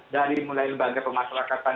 dari mulai lembaga pemasarakatan